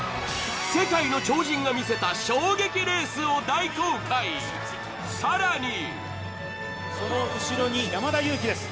世界の超人が見せた衝撃レースを大公開さらにその後ろに山田裕貴です